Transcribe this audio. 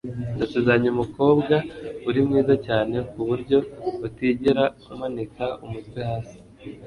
ndasezeranye umukobwa, uri mwiza cyane kuburyo utigera umanika umutwe hasi